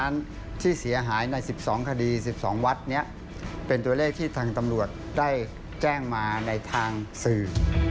มันเป็นตัวเลขที่ทางตำรวจได้แจ้งมาในทางสื่อ